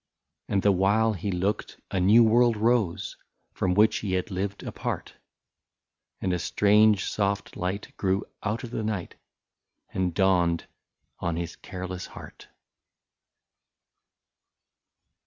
62 And the while he looked a new world rose, From which he had lived apart, And a strange soft light grew out of the night, And dawned on his careless heart.